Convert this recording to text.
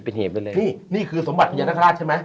นี่คือสมบัติพญานาคาราชใช่ไหม